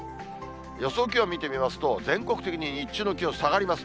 予想気温見てみますと、全国的に日中の気温下がります。